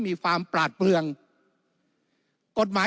วุฒิสภาจะเขียนไว้ในข้อที่๓๐